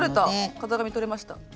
型紙取れました。